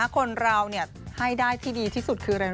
คนเราให้ได้ที่ดีที่สุดคืออะไรรู้